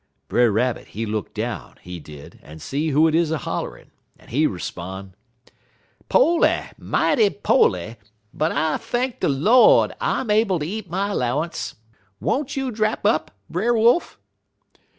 "Brer Rabbit, he look down, he did, en he see who 't is hollerin', en he 'spon': "'Po'ly, mighty po'ly, but I thank de Lord I'm able to eat my 'lowance. Won't you drap up, Brer Wolf?'